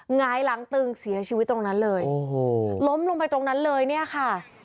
หงายหลังตึงเสียชีวิตตรงนั้นเลยโอ้โหล้มลงไปตรงนั้นเลยเนี่ยค่ะ